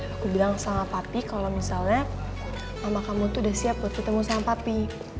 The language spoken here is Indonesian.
aku bilang sama pati kalau misalnya mama kamu tuh udah siap buat ketemu sama papi